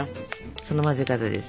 その混ぜ方です。